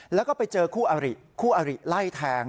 แล้วก็ไปเจอคู่อริคู่อริไล่แทง